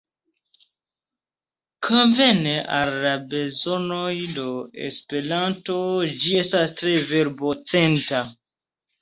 Konvene al la bezonoj de Esperanto, ĝi estas tre verbo-centra.